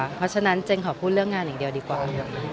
เพราะฉะนั้นเจนขอพูดเรื่องงานอย่างเดียวดีกว่า